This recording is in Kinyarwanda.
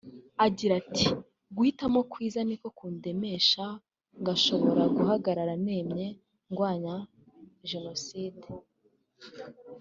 Agira ati “Guhitamo kwiza niko kundemesha ngashobora guhagarara nemye ndwanya Jenoside